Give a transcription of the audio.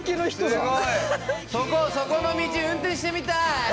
そこの道運転してみたい。